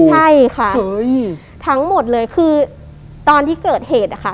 ใช่ค่ะทั้งหมดเลยคือตอนที่เกิดเหตุนะคะ